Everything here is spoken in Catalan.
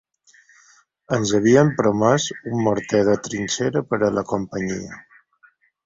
Ens havien promès un morter de trinxera per a la companyia